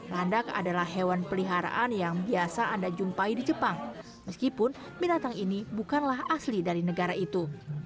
landak adalah hewan peliharaan yang biasa anda jumpai di jepang meskipun binatang ini bukanlah asli dari negara itu